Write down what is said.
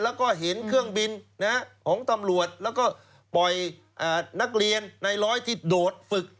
แล้วก็เห็นเครื่องบินของตำรวจแล้วก็ปล่อยนักเรียนในร้อยที่โดดฝึก